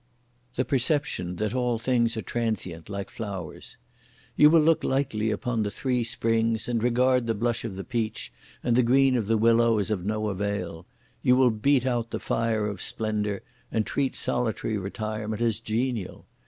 The Perception that all things are transient like flowers. You will look lightly upon the three springs and regard the blush of the peach and the green of the willow as of no avail. You will beat out the fire of splendour, and treat solitary retirement as genial!